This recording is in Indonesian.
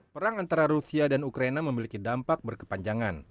perang antara rusia dan ukraina memiliki dampak berkepanjangan